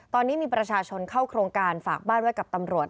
ตอนนี้มีประชาชนเข้าโครงการฝากบ้านไว้กับตำรวจ